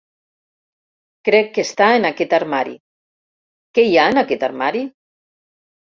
Crec que està en aquest armari. Què hi ha en aquest armari?